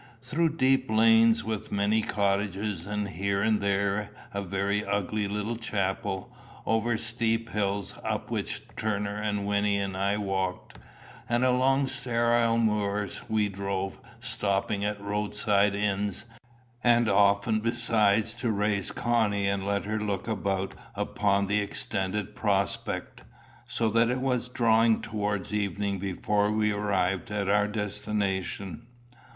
Through deep lanes with many cottages, and here and there a very ugly little chapel, over steep hills, up which Turner and Wynnie and I walked, and along sterile moors we drove, stopping at roadside inns, and often besides to raise Connie and let her look about upon the extended prospect, so that it was drawing towards evening before we arrived at our destination.